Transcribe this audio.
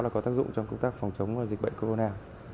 là có tác dụng trong công tác phòng chống dịch bệnh corona